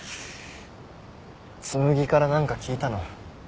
紬から何か聞いたの？